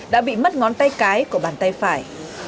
đã bị mất ngón tay cái của bàn tay phải